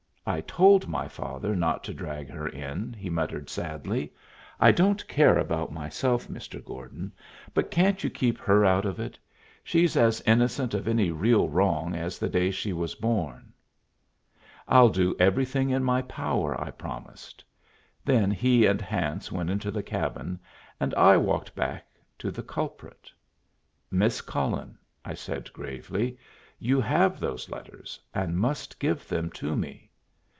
"I told my father not to drag her in," he muttered, sadly. "I don't care about myself, Mr. Gordon, but can't you keep her out of it? She's as innocent of any real wrong as the day she was born." "I'll do everything in my power," I promised. Then he and Hance went into the cabin, and I walked back to the culprit. "Miss Cullen," I said, gravely, "you have those letters, and must give them to me."